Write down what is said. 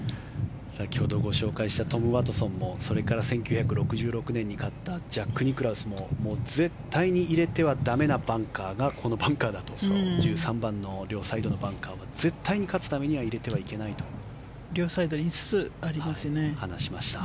先ほどご紹介したトム・ワトソンもそれから１９６６年に勝ったジャック・ニクラウスも絶対に入れては駄目なバンカーがこのバンカーだと１３番の両サイドのバンカーは勝つためには絶対入れてはいけないと話しました。